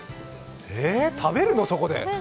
え、食べるの、そこで！？